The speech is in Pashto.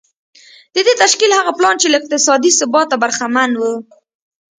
د دې تشکيل هغه پلان چې له اقتصادي ثباته برخمن و.